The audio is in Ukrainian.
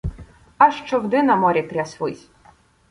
Аж човни на морі тряслись.